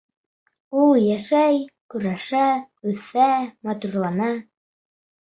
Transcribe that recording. Ул йәшәй, көрәшә, үҫә, матурлана.